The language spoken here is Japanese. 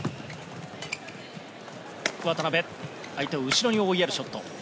渡辺相手を後ろに追いやるショット。